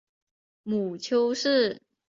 母丘氏。